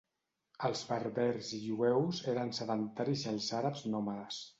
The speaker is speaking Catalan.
Els berbers i jueus eren sedentaris i els àrabs nòmades.